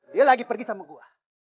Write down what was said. dia lagi pergi sama gue